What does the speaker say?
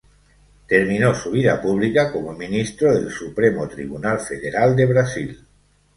Terminó su vida pública como Ministro del Supremo Tribunal Federal de Brasil.